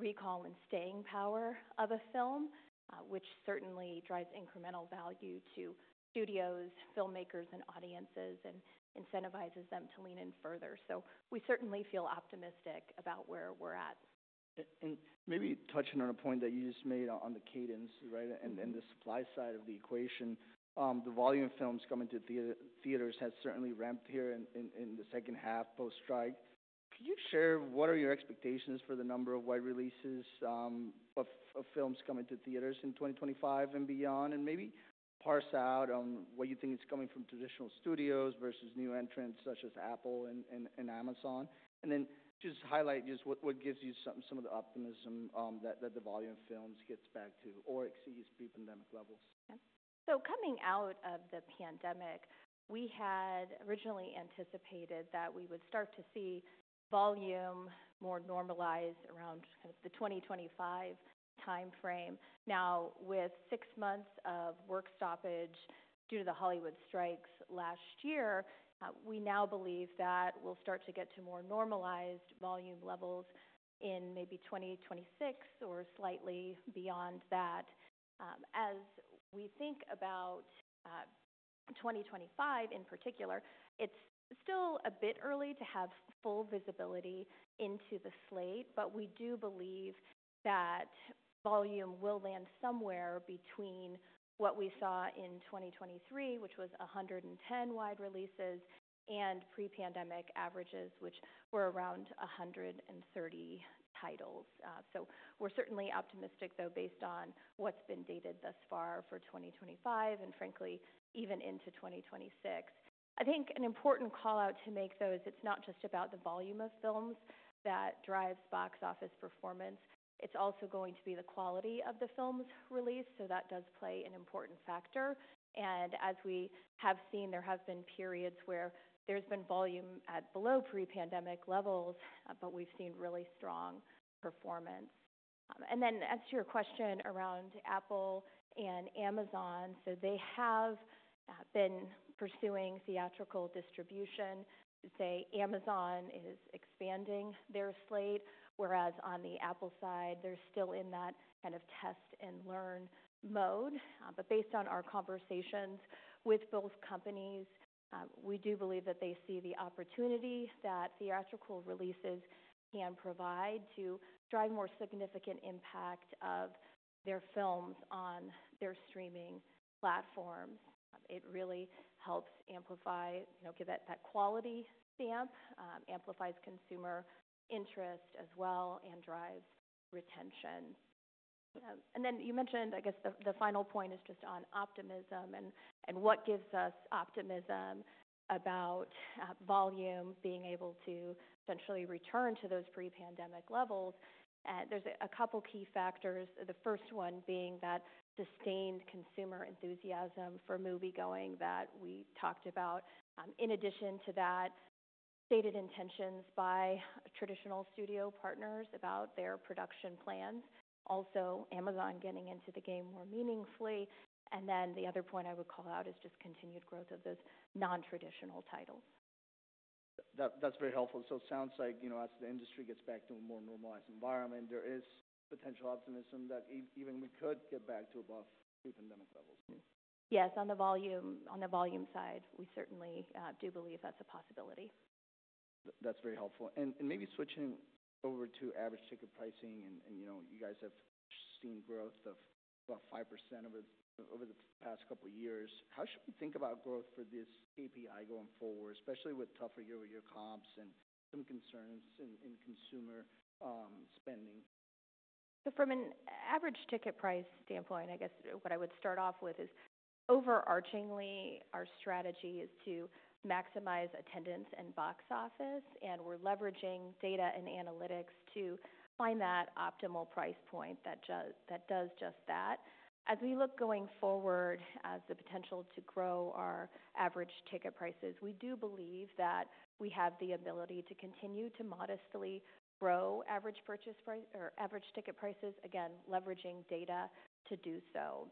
The recall and staying power of a film, which certainly drives incremental value to studios, filmmakers, and audiences, and incentivizes them to lean in further, so we certainly feel optimistic about where we're at. And maybe touching on a point that you just made on the cadence, right, and the supply side of the equation, the volume of films coming to theaters has certainly ramped here in in the second half post-strike. Could you share what are your expectations for the number of wide releases of films coming to theaters in 2025 and beyond, and maybe parse out what you think is coming from traditional studios versus new entrants such as Apple and Amazon? And then just highlight just what gives you some of the optimism that the volume of films gets back to or exceeds pre-pandemic levels. Coming out of the pandemic, we had originally anticipated that we would start to see volume more normalized around kind of the 2025 timeframe. Now, with six months of work stoppage due to the Hollywood strikes last year, we now believe that we'll start to get to more normalized volume levels in maybe 2026 or slightly beyond that. As we think about 2025 in particular, it's still a bit early to have full visibility into the slate, but we do believe that volume will land somewhere between what we saw in 2023, which was 110 wide releases, and pre-pandemic averages, which were around 130 titles. So we're certainly optimistic, though, based on what's been dated thus far for 2025 and, frankly, even into 2026. I think an important callout to make, though, is it's not just about the volume of films that drives box office performance. It's also going to be the quality of the films released, so that does play an important factor, and as we have seen, there have been periods where there's been volume at below pre-pandemic levels, but we've seen really strong performance, and then as to your question around Apple and Amazon, so they have been pursuing theatrical distribution. Say Amazon is expanding their slate, whereas on the Apple side, they're still in that kind of test and learn mode, but based on our conversations with both companies, we do believe that they see the opportunity that theatrical releases can provide to drive more significant impact of their films on their streaming platforms. It really helps amplify, give that quality stamp, amplifies consumer interest as well, and drives retention. And then you mentioned, I guess, the final point is just on optimism and what gives us optimism about volume being able to essentially return to those pre-pandemic levels. There's a couple key factors, the first one being that sustained consumer enthusiasm for moviegoing that we talked about. In addition to that, stated intentions by traditional studio partners about their production plans, also Amazon getting into the game more meaningfully. And then the other point I would call out is just continued growth of those non-traditional titles. That's very helpful. So it sounds like as the industry gets back to a more normalized environment, there is potential optimism that even we could get back to above pre-pandemic levels. Yes, on the volume side, we certainly do believe that's a possibility. That's very helpful, and maybe switching over to average ticket pricing, and you guys have seen growth of about 5% over the past couple of years. How should we think about growth for this KPI going forward, especially with tougher year-over-year comps and some concerns in consumer spending? From an average ticket price standpoint, I guess what I would start off with is overarchingly, our strategy is to maximize attendance and box office, and we're leveraging data and analytics to find that optimal price point that, that does just that. As we look going forward, as the potential to grow our average ticket prices, we do believe that we have the ability to continue to modestly grow average prices, average ticket prices, again, leveraging data to do so.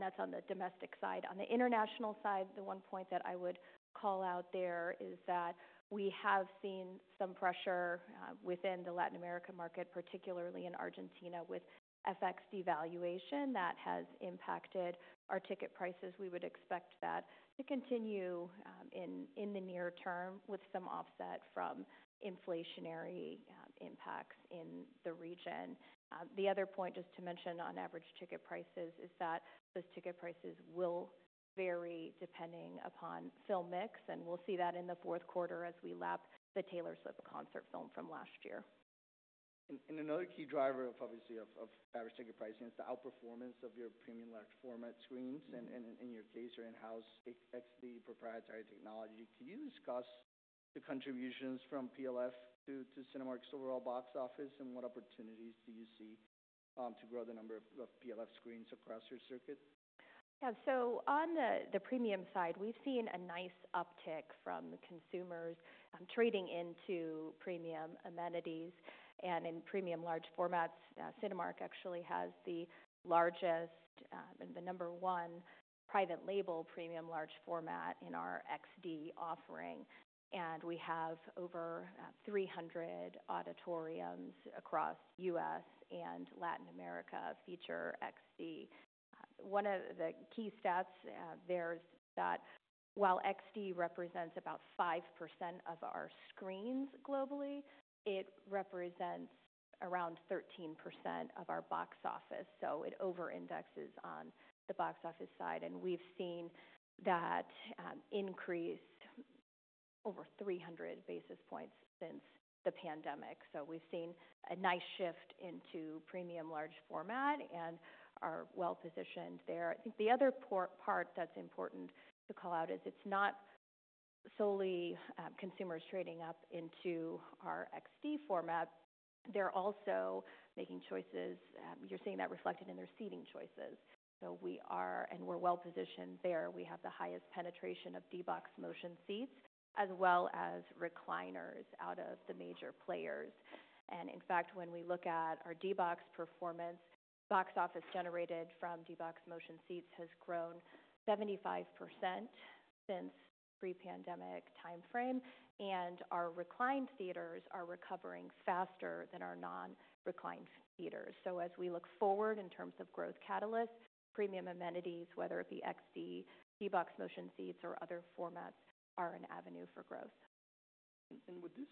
That's on the domestic side. On the international side, the one point that I would call out there is that we have seen some pressure within the Latin American market, particularly in Argentina, with FX devaluation that has impacted our ticket prices. We would expect that to continue in in the near term with some offset from inflationary impacts in the region. The other point just to mention on average ticket prices is that those ticket prices will vary depending upon film mix, and we'll see that in the fourth quarter as we lap the Taylor Swift concert film from last year. Another key driver of obviously average ticket pricing is the outperformance of your premium large format screens and in your case your in-house XD proprietary technology. Could you discuss the contributions from PLF to Cinemark's overall box office and what opportunities do you see to grow the number of PLF screens across your circuit? Yeah, so on the premium side, we've seen a nice uptick from consumers trading into premium amenities and in premium large formats. Cinemark actually has the largest and the number one private label premium large format in our XD offering, and we have over 300 auditoriums across the U.S. and Latin America feature XD. One of the key stats there is that while XD represents about 5% of our screens globally, it represents around 13% of our box office. So it over-indexes on the box office side, and we've seen that increase over 300 basis points since the pandemic. So we've seen a nice shift into premium large format and are well positioned there. I think the other part that's important to call out is it's not solely consumers trading up into our XD format. They're also making choices. You're seeing that reflected in their seating choices. We are well positioned there. We have the highest penetration of D-BOX motion seats as well as recliners out of the major players. In fact, when we look at our D-BOX performance, box office generated from D-BOX motion seats has grown 75% since pre-pandemic timeframe, and our reclined theaters are recovering faster than our non-reclined theaters. As we look forward in terms of growth catalysts, premium amenities, whether it be XD, D-BOX motion seats, or other formats, are an avenue for growth. And with this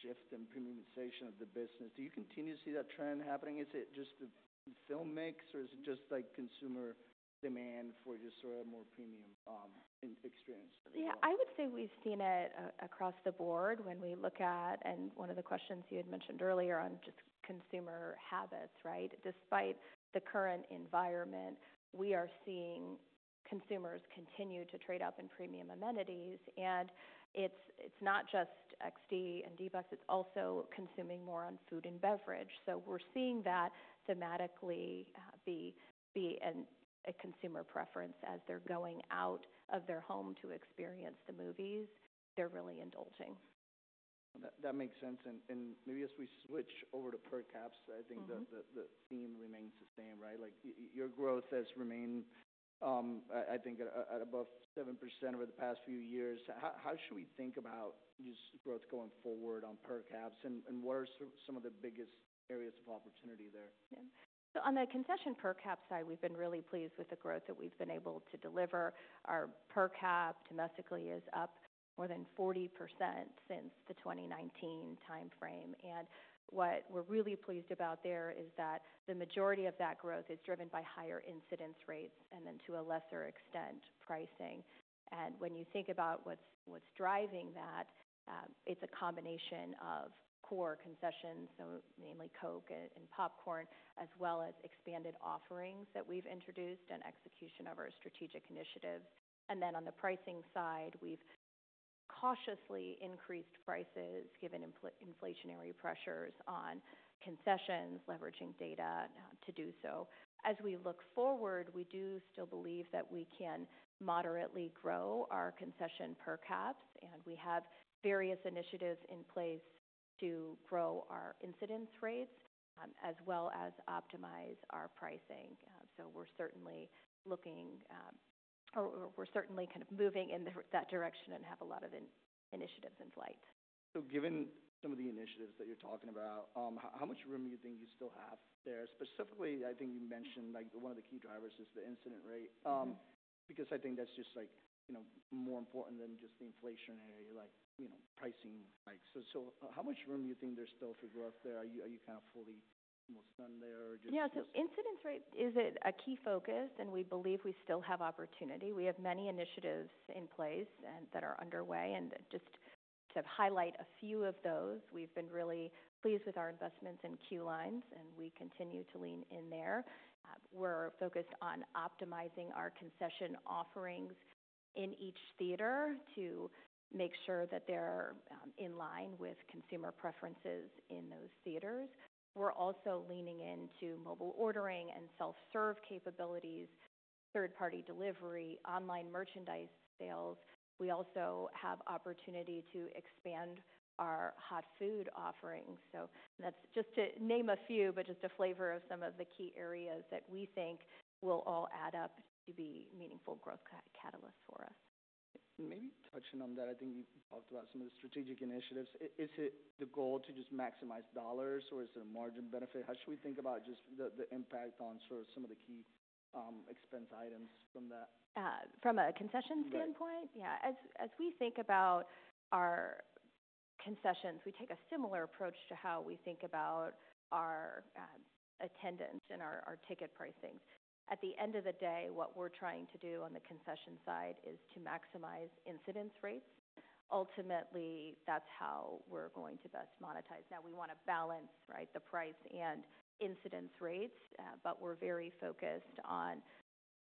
shift in premiumization of the business, do you continue to see that trend happening? Is it just the film mix or is it just like consumer demand for just sort of more premium experience? Yeah, I would say we've seen it across the board when we look at, and one of the questions you had mentioned earlier on just consumer habits, right? Despite the current environment, we are seeing consumers continue to trade up in premium amenities, and it's, it's not just XD and D-BOX, it's also consuming more on food and beverage. So we're seeing that thematically be be a consumer preference as they're going out of their home to experience the movies. They're really indulging. That makes sense. And maybe as we switch over to per caps, I think the theme remains the same, right? Like your growth has remained, I think, at above 7% over the past few years. How should we think about this growth going forward on per caps and what are some of the biggest areas of opportunity there? So on the concession per caps side, we've been really pleased with the growth that we've been able to deliver. Our per cap domestically is up more than 40% since the 2019 timeframe. And what we're really pleased about there is that the majority of that growth is driven by higher incidence rates and then to a lesser extent pricing. And when you think about what, what's driving that, it's a combination of core concessions, so mainly Coke and popcorn, as well as expanded offerings that we've introduced and execution of our strategic initiatives. And then on the pricing side, we've cautiously increased prices given inflationary pressures on concessions, leveraging data to do so. As we look forward, we do still believe that we can moderately grow our concession per caps, and we have various initiatives in place to grow our incidence rates and as well as optimize our pricing. So we're certainly looking, or we're certainly kind of moving in that direction and have a lot of initiatives in flight. So given some of the initiatives that you're talking about, how much room do you think you still have there? Specifically, I think you mentioned one of the key drivers is the incidence rate, because I think that's just more important than just the inflationary like, you know, pricing. So how much room do you think there's still for growth there? Are you kind of fully almost done there or just? Yeah, so incidence rate is a key focus, and we believe we still have opportunity. We have many initiatives in place that are underway, and just to highlight a few of those, we've been really pleased with our investments in queue lines, and we continue to lean in there. We're focused on optimizing our concession offerings in each theater to make sure that they're in line with consumer preferences in those theaters. We're also leaning into mobile ordering and self-serve capabilities, third-party delivery, online merchandise sales. We also have opportunity to expand our hot food offerings. So that's just to name a few, but just a flavor of some of the key areas that we think will all add up to be meaningful growth catalysts for us. Maybe touching on that, I think you talked about some of the strategic initiatives. Is it the goal to just maximize dollars or is there a margin benefit? How should we think about just the impact on sort of some of the key expense items from that? From a concession standpoint, yeah. As we think about our concessions, we take a similar approach to how we think about our attendance and our ticket pricings. At the end of the day, what we're trying to do on the concession side is to maximize incidence rates. Ultimately, that's how we're going to best monetize. Now, we want to balance the price and incidence rates, but we're very focused on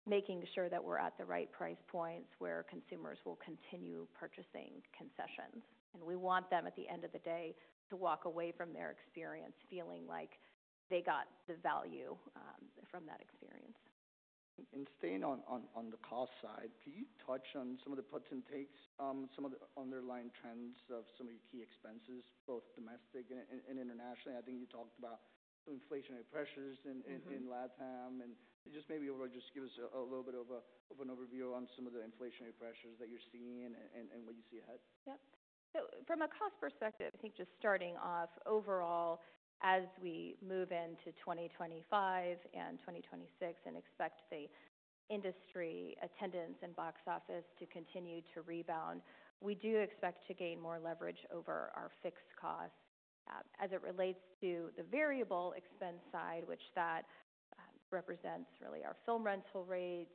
making sure that we're at the right price points where consumers will continue purchasing concessions, and we want them at the end of the day to walk away from their experience feeling like they got the value from that experience. And staying on the cost side, can you touch on some of the puts and takes, some of the underlying trends of some of your key expenses, both domestic and internationally? I think you talked about some inflationary pressures in LATAM, and just maybe give us a little bit of a, bit of an overview on some of the inflationary pressures that you're seeing and what you see ahead. Yep, so from a cost perspective, I think just starting off overall, as we move into 2025 and 2026 and expect the industry attendance and box office to continue to rebound, we do expect to gain more leverage over our fixed costs. As it relates to the variable expense side, which that represents really our film rental rates,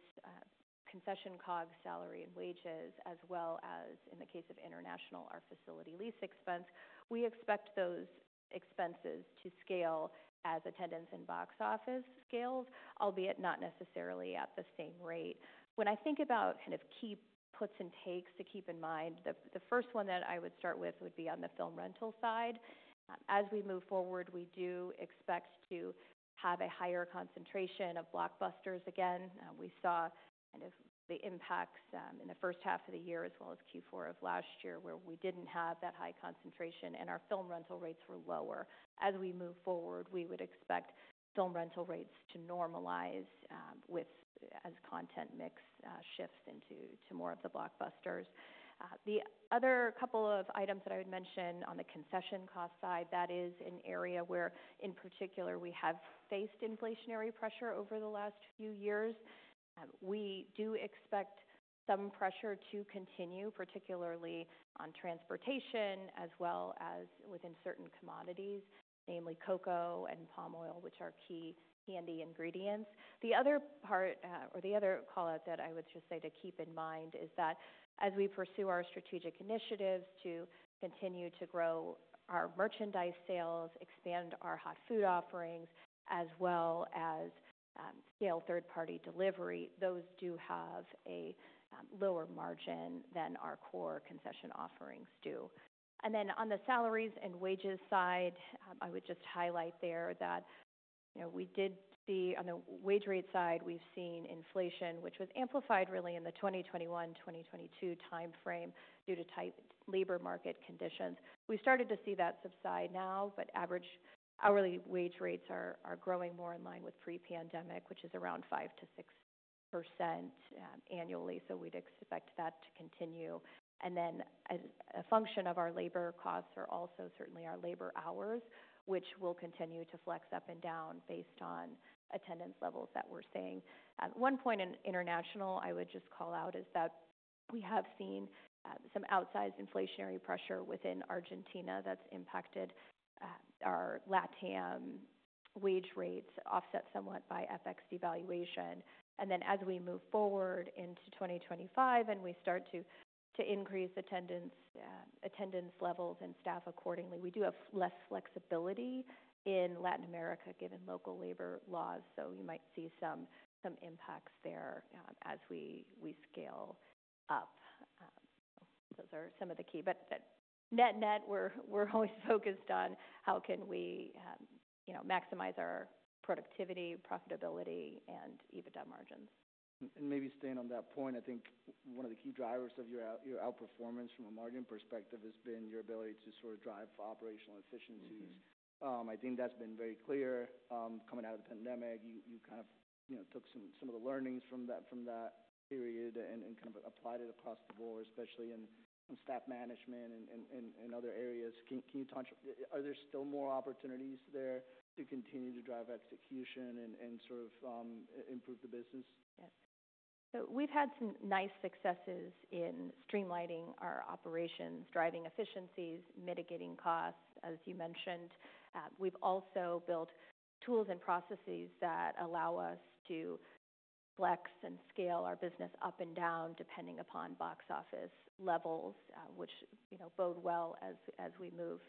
concession COGS, salary, and wages, as well as in the case of international, our facility lease expense, we expect those expenses to scale as attendance and box office scales, albeit not necessarily at the same rate. When I think about kind of key points and takeaways to keep in mind, the first one that I would start with would be on the film rental side. As we move forward, we do expect to have a higher concentration of blockbusters again. And we saw kind of the impacts in the first half of the year as well as Q4 of last year where we didn't have that high concentration and our film rental rates were lower. As we move forward, we would expect film rental rates to normalize as content mix shifts into more of the blockbusters. The other couple of items that I would mention on the concession cost side, that is an area where in particular we have faced inflationary pressure over the last few years. We do expect some pressure to continue, particularly on transportation as well as within certain commodities, namely cocoa and palm oil, which are key candy ingredients. The other part, or the other callout that I would just say to keep in mind is that as we pursue our strategic initiatives to continue to grow our merchandise sales, expand our hot food offerings, as well as scale third-party delivery, those do have a lower margin than our core concession offerings do. And then on the salaries and wages side, I would just highlight there that we did see on the wage rate side, we've seen inflation, which was amplified really in the 2021-2022 timeframe due to tight labor market conditions. We started to see that subside now, but average hourly wage rates are growing more in line with pre-pandemic, which is around 5%-6% annually. So we'd expect that to continue. And then a function of our labor costs are also certainly our labor hours, which will continue to flex up and down based on attendance levels that we're seeing. At one point in international, I would just call out, is that we have seen some outsized inflationary pressure within Argentina that's impacted our LATAM wage rates offset somewhat by FX devaluation. And then as we move forward into 2025 and we start to increase attendance, attendance levels and staff accordingly, we do have less flexibility in Latin America given local labor laws. So you might see some impacts there as we scale up. Those are some of the key, but net net, we're always focused on how can we maximize our productivity, profitability, and EBITDA margins. Maybe staying on that point, I think one of the key drivers of your outperformance from a margin perspective has been your ability to sort of drive operational efficiencies. I think that's been very clear coming out of the pandemic. You kind of took some of the learnings from that period and kind of applied it across the board, especially in staff management and other areas. Can you touch on, are there still more opportunities there to continue to drive execution and sort of improve the business? Yes. So we've had some nice successes in streamlining our operations, driving efficiencies, mitigating costs, as you mentioned. We've also built tools and processes that allow us to flex and scale our business up and down depending upon box office levels, which bode well as we move,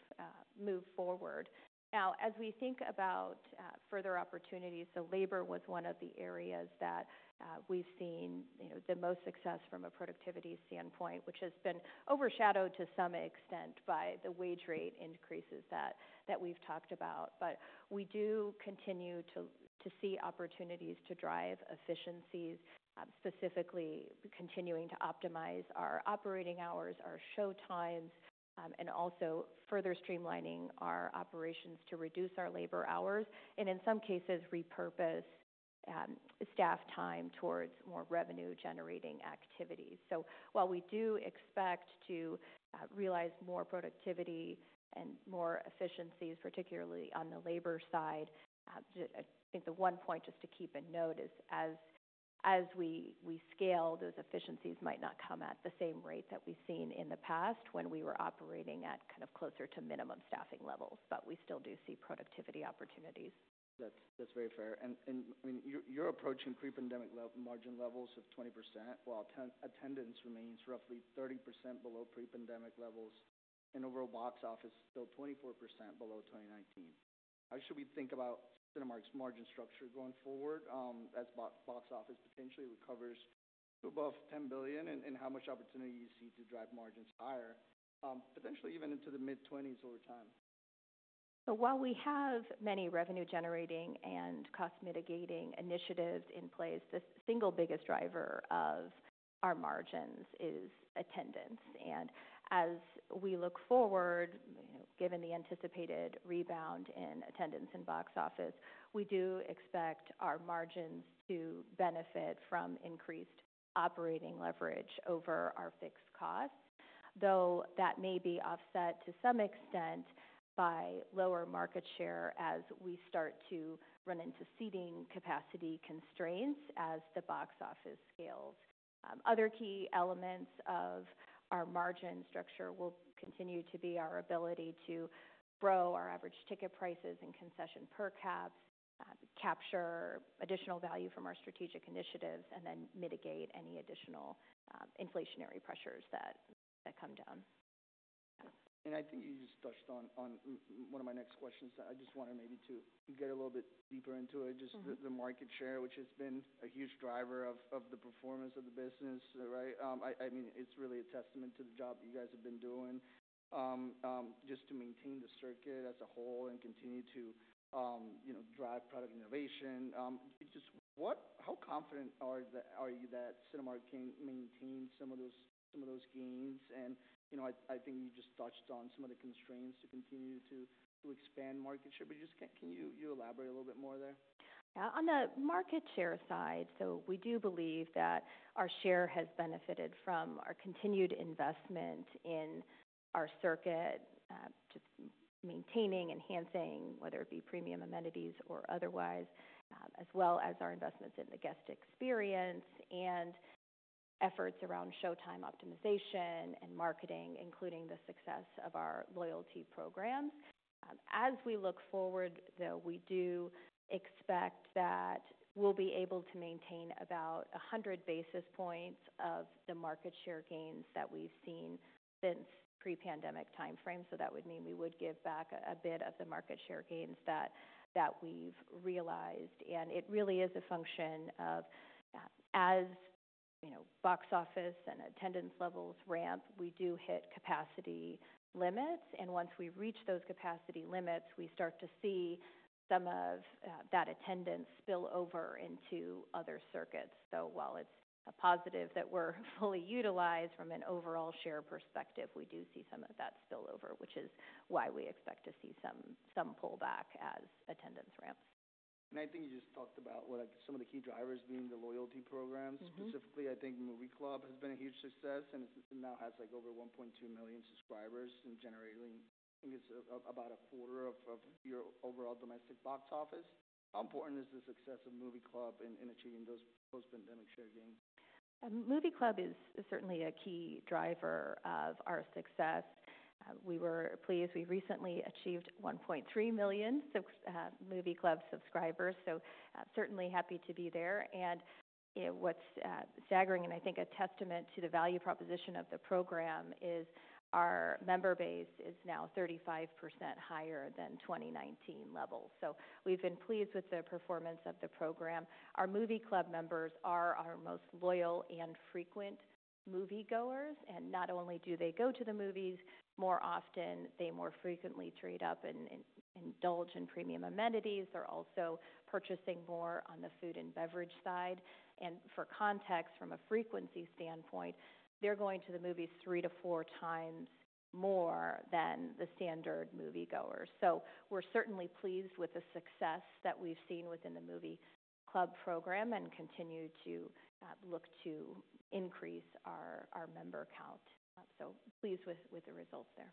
move forward. Now, as we think about further opportunities, so labor was one of the areas that we've seen the most success from a productivity standpoint, which has been overshadowed to some extent by the wage rate increases that we've talked about. But we do continue to see opportunities to drive efficiencies, specifically continuing to optimize our operating hours, our show times, and also further streamlining our operations to reduce our labor hours, and in some cases, repurpose staff time towards more revenue-generating activities. So while we do expect to realize more productivity and more efficiencies, particularly on the labor side, I think the one point just to keep in notice as, as we scale, those efficiencies might not come at the same rate that we've seen in the past when we were operating at kind of closer to minimum staffing levels, but we still do see productivity opportunities. That's very fair. And I mean, you're approaching pre-pandemic margin levels of 20% while attendance remains roughly 30% below pre-pandemic levels, and overall box office still 24% below 2019. How should we think about Cinemark's margin structure going forward as box office potentially recovers to above $10 billion, and how much opportunity do you see to drive margins higher, potentially even into the mid-20s% over time? So while we have many revenue-generating and cost-mitigating initiatives in place, the single biggest driver of our margins is attendance. And as we look forward, given the anticipated rebound in attendance and box office, we do expect our margins to benefit from increased operating leverage over our fixed costs, though that may be offset to some extent by lower market share as we start to run into seating capacity constraints as the box office scales. Other key elements of our margin structure will continue to be our ability to grow our average ticket prices and concession per cap, capture additional value from our strategic initiatives, and then mitigate any additional inflationary pressures that come down. I think you just touched on one of my next questions. I just wanted maybe to get a little bit deeper into it, just the market share, which has been a huge driver of the performance of the business, right? I mean, it's really a testament to the job that you guys have been doing just to maintain the circuit as a whole and continue to drive product innovation. Just how confident are you that Cinemark can maintain some of those gains? I think you just touched on some of the constraints to continue to expand market share, but just can you elaborate a little bit more there? Yeah. On the market share side, so we do believe that our share has benefited from our continued investment in our circuit, maintaining, enhancing, whether it be premium amenities or otherwise, as well as our investments in the guest experience and efforts around showtime optimization and marketing, including the success of our loyalty programs. As we look forward, though, we do expect that we'll be able to maintain about 100 basis points of the market share gains that we've seen since pre-pandemic timeframe. So that would mean we would give back a bit of the market share gains that that we've realized. And it really is a function of as box office and attendance levels ramp, we do hit capacity limits. And once we reach those capacity limits, we start to see some of that attendance spill over into other circuits. While it's a positive that we're fully utilized from an overall share perspective, we do see some of that spill over, which is why we expect to see some pullback as attendance ramps. I think you just talked about some of the key drivers being the loyalty programs. Specifically, I think Movie Club has been a huge success and now has like over 1.2 million subscribers and generating, I think it's about a quarter of your overall domestic box office. How important is the success of Movie Club in achieving those post-pandemic share gains? Movie Club is certainly a key driver of our success. We were pleased. We recently achieved 1.3 million Movie Club subscribers, so certainly happy to be there, and what's staggering, and I think a testament to the value proposition of the program, is our member base is now 35% higher than 2019 levels, so we've been pleased with the performance of the program. Our Movie Club members are our most loyal and frequent moviegoers, and not only do they go to the movies more often, they more frequently trade up and indulge in premium amenities. They're also purchasing more on the food and beverage side, and for context, from a frequency standpoint, they're going to the movies three to four times more than the standard moviegoers, so we're certainly pleased with the success that we've seen within the Movie Club program and continue to look to increase our member count. So pleased with the results there.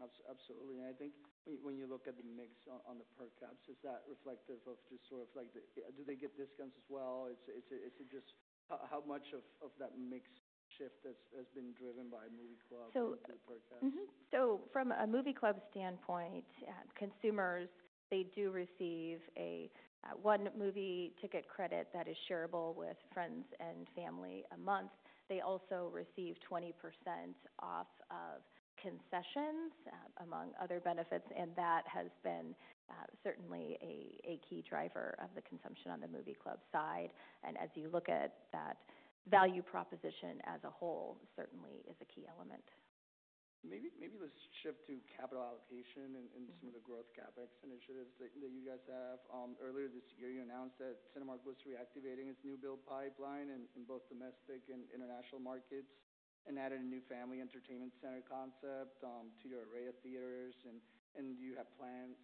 Absolutely. And I think when you look at the mix on the per caps, is that reflective of just sort of like do they get discounts as well? Is it just how much of that mix shift has been driven by Movie Club to the per caps? So from a Movie Club standpoint, consumers, they do receive one movie ticket credit that is shareable with friends and family a month. They also receive 20% off of concessions among other benefits. That has been certainly a key driver of the consumption on the Movie Club side. And as you look at that, value proposition as a whole certainly is a key element. Maybe let's shift to capital allocation and some of the growth CapEx initiatives that you guys have. Earlier this year, you announced that Cinemark was reactivating its new build pipeline in both domestic and international markets and added a new family entertainment center concept to your array of theaters. And you have plans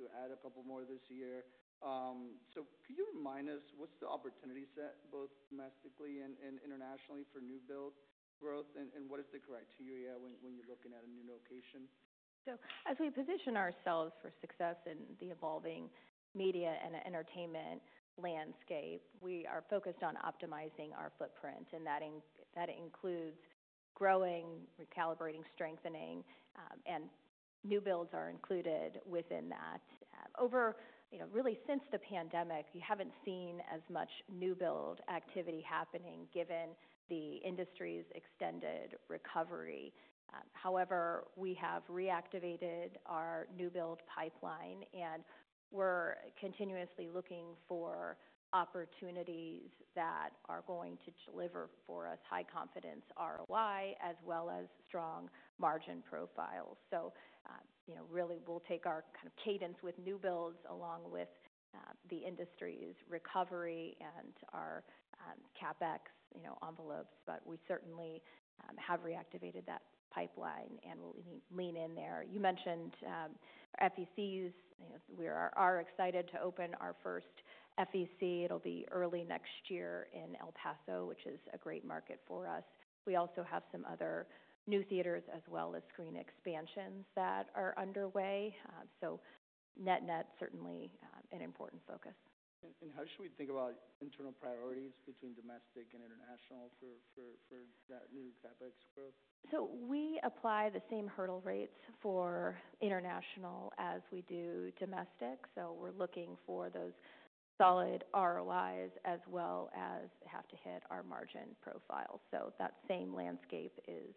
to add a couple more this year. So could you remind us what's the opportunity set both domestically and internationally for new build growth, and what is the criteria when you're looking at a new location? As we position ourselves for success in the evolving media and entertainment landscape, we are focused on optimizing our footprint. And that includes growing, recalibrating, strengthening, and new builds are included within that. Over really since the pandemic, you haven't seen as much new build activity happening given the industry's extended recovery. However, we have reactivated our new build pipeline and we're continuously looking for opportunities that are going to deliver for us high confidence ROI as well as strong margin profiles. So really we'll take our kind of cadence with new builds along with the industry's recovery and our CapEx envelopes. But we certainly have reactivated that pipeline and we'll lean in there. You mentioned FECs. We are excited to open our first FEC. It'll be early next year in El Paso, which is a great market for us. We also have some other new theaters as well as screen expansions that are underway, so net net certainly an important focus. How should we think about internal priorities between domestic and international for for for that new CapEx growth? So we apply the same hurdle rates for international as we do domestic. So we're looking for those solid ROIs as well as have to hit our margin profiles. So that same landscape is,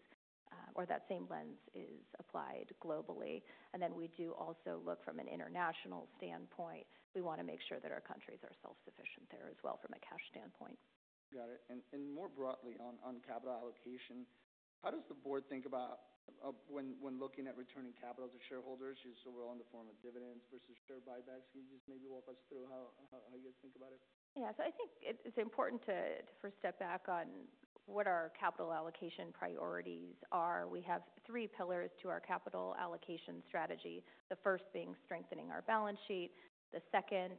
or that same lens is applied globally. And then we do also look from an international standpoint. We want to make sure that our countries are self-sufficient there as well from a cash standpoint. Got it. And more broadly on capital allocation, how does the board think about when looking at returning capital to shareholders? You're still weighing the form of dividends versus share buybacks. Can you just maybe walk us through how you guys think about it? Yeah. So, I think it's important to first step back on what our capital allocation priorities are. We have three pillars to our capital allocation strategy. The first being strengthening our balance sheet. The second,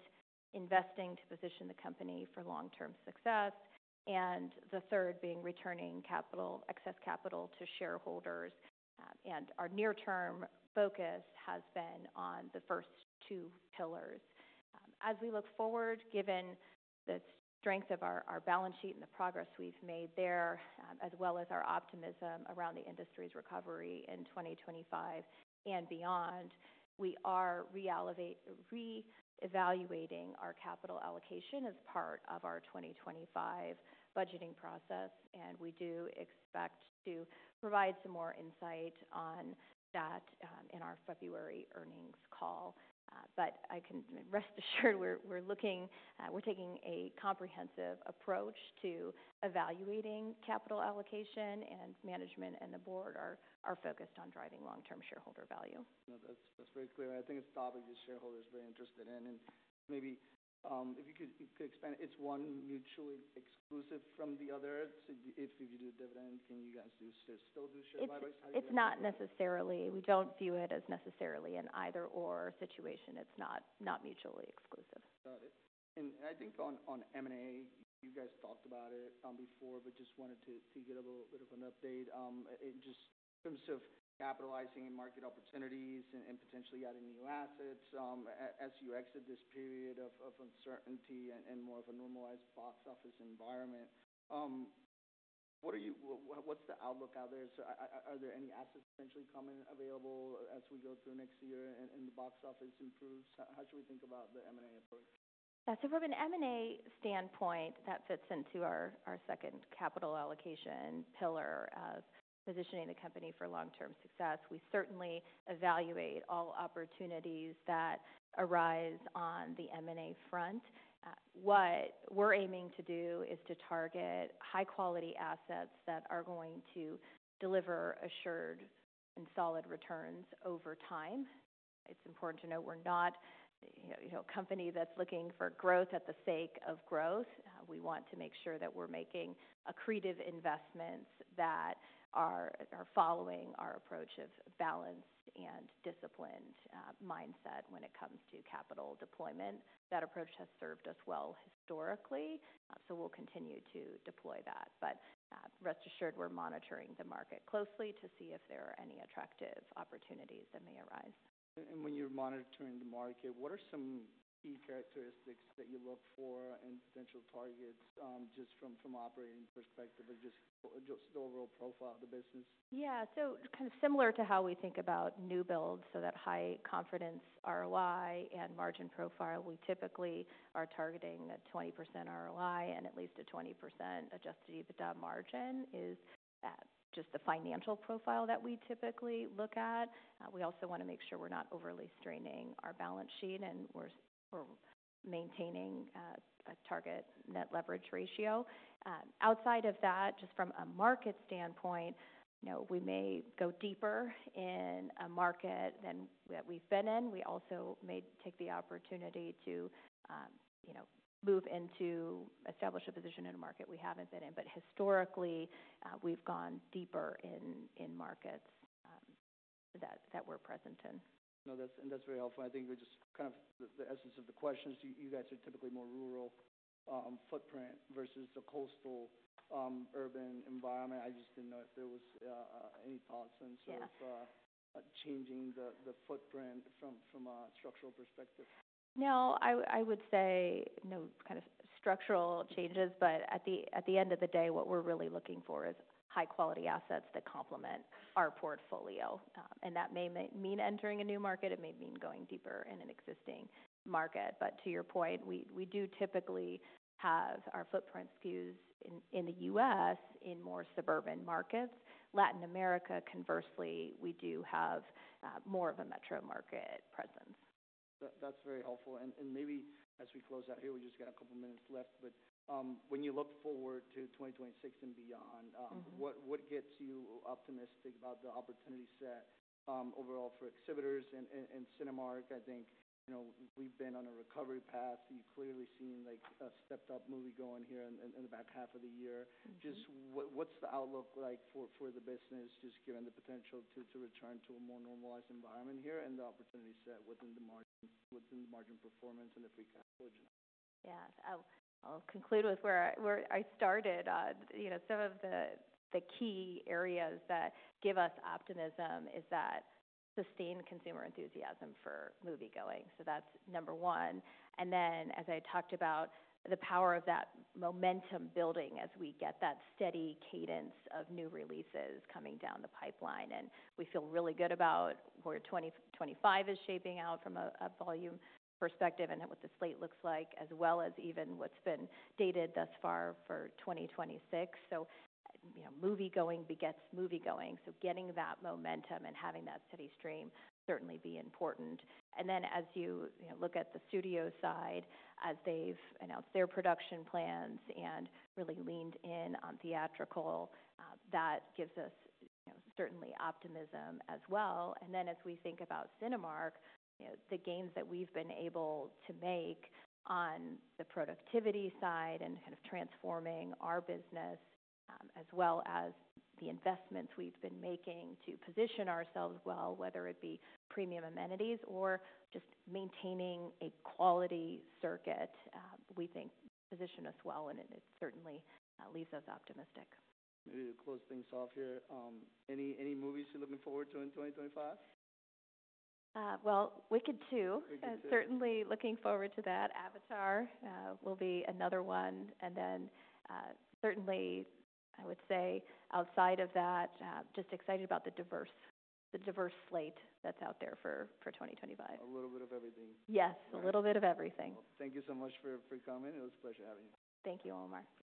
investing to position the company for long-term success. And the third being returning excess capital to shareholders. And our near-term focus has been on the first two pillars. As we look forward, given the strength of our balance sheet and the progress we've made there, as well as our optimism around the industry's recovery in 2025 and beyond, we are re-evaluating our capital allocation as part of our 2025 budgeting process. And we do expect to provide some more insight on that in our February earnings call. But I can rest assured we're looking. We're taking a comprehensive approach to evaluating capital allocation and management, and the board are focused on driving long-term shareholder value. No, that's very clear. And I think it's a topic that shareholders are very interested in. And maybe if you could expand, it's one mutually exclusive from the other. So if you do dividends, can you guys still do share buybacks? It's not necessarily. We don't view it as necessarily an either/or situation. It's not mutually exclusive. Got it. And I think on M&A, you guys talked about it before, but just wanted to get a little bit of an update just in terms of capitalizing and market opportunities and potentially adding new assets as you exit this period of uncertainty and more of a normalized box office environment. What's the outlook out there? So are there any assets potentially coming available as we go through next year and the box office improves? How should we think about the M&A approach? Yeah. So from an M&A standpoint, that fits into our second capital allocation pillar of positioning the company for long-term success. We certainly evaluate all opportunities that arise on the M&A front. What we're aiming to do is to target high-quality assets that are going to deliver assured and solid returns over time. It's important to note we're not a company that's looking for growth for the sake of growth. We want to make sure that we're making accretive investments that are following our approach of balanced and disciplined mindset when it comes to capital deployment. That approach has served us well historically. So we'll continue to deploy that. But rest assured, we're monitoring the market closely to see if there are any attractive opportunities that may arise. When you're monitoring the market, what are some key characteristics that you look for and potential targets just from an operating perspective or just, or just the overall profile of the business? Yeah. So kind of similar to how we think about new builds, so that high confidence ROI and margin profile, we typically are targeting a 20% ROI and at least a 20% Adjusted EBITDA margin is just the financial profile that we typically look at. We also want to make sure we're not overly straining our balance sheet and we're maintaining a target net leverage ratio. Outside of that, just from a market standpoint, we may go deeper in a market than we've been in. We also may take the opportunity to, you know, move into establish a position in a market we haven't been in. But historically, we've gone deeper in in markets that we're present in. Now, that's very helpful. I think we just kind of the essence of the question is you guys are typically more rural footprint versus the coastal urban environment. I just didn't know if there was any thoughts in terms of changing the footprint from a structural perspective. No, I would say no kind of structural changes. But at the end of the day, what we're really looking for is high-quality assets that complement our portfolio. And that may mean entering a new market. It may mean going deeper in an existing market. But to your point, we do typically have our footprint skews in the U.S. in more suburban markets. Latin America, conversely, we do have more of a metro market presence. That's very helpful. And maybe as we close out here, we just got a couple of minutes left. But when you look forward to 2026 and beyond, what gets you optimistic about the opportunity set overall for exhibitors and Cinemark? I think we've been on a recovery path. You've clearly seen a stepped-up movie going here in the back half of the year. Just what's the outlook like for the business just given the potential to return to a more normalized environment here and the opportunity set within the margin performance and the free cash margin? Yeah. I'll conclude with where I started. Some of the key areas that give us optimism is that sustained consumer enthusiasm for movie going. So that's number one. And then, as I talked about, the power of that momentum building as we get that steady cadence of new releases coming down the pipeline. And we feel really good about where 2025 is shaping out from a volume perspective and what the slate looks like, as well as even what's been dated thus far for 2026. So movie going begets movie going. So getting that momentum and having that steady stream certainly be important. And then, as you look at the studio side, as they've announced their production plans and really leaned in on theatrical, that gives us certainly optimism as well. And then, as we think about Cinemark, the gains that we've been able to make on the productivity side and kind of transforming our business, as well as the investments we've been making to position ourselves well, whether it be premium amenities or just maintaining a quality circuit, we think position us well. And it certainly leaves us optimistic. Maybe to close things off here, any movies you're looking forward to in 2025? Well, Wicked 2. Certainly looking forward to that. Avatar will be another one. Then, certainly, I would say outside of that, just excited about the diverse, diverse slate that's out there for 2025. A little bit of everything. Yes, a little bit of everything. Thank you so much for coming. It was a pleasure having you. Thank you, Omar.